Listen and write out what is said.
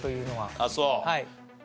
あっそう。